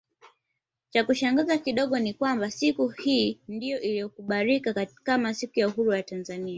Chakushangaza kidogo ni kwamba siku hii ndio iliyokubalika kama siku ya uhuru ya Tanzania